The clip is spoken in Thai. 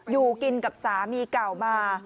อยู่กินกับสามีเก่ามา